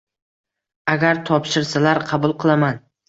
–Agar topshirsalar, qabul qilaman.